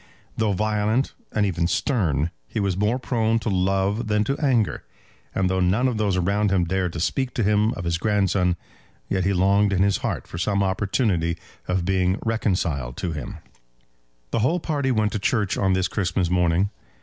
Though violent, and even stern, he was more prone to love than to anger; and though none of those around him dared to speak to him of his grandson, yet he longed in his heart for some opportunity of being reconciled to him. The whole party went to church on this Christmas morning.